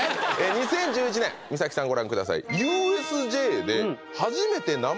２０１１年美咲さんご覧ください